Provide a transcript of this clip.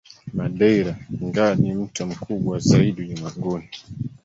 Madeira Ingawa ni mto mkubwa zaidi ulimwenguni